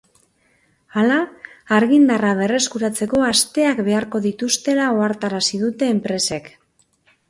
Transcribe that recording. Hala, argindarra berreskuratzeko asteak beharko dituztela ohartarazi dute enpresek.